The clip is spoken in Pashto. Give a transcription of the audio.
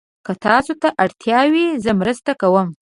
که تاسو ته اړتیا وي، زه مرسته کوم.